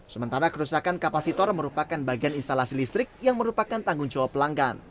sementara kerusakan kapasitor merupakan bagian instalasi listrik yang merupakan tanggung jawab pelanggan